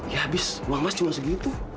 ya habis uang mas cuma segitu